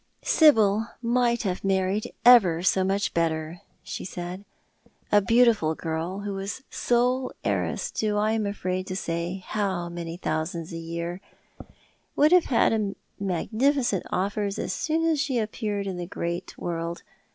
"Sibyl might have married ever so much better," she said. '•' A beautiful girl, who was sole heiress to I am afraid to say how many thousands a year, would have had magnificent offers as soon as she appeared in the great world.